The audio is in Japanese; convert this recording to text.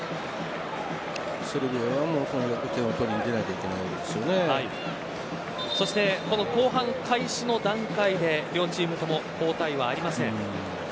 セルビアは点を取りにいかないと後半開始の段階で両チームとも交代はありません。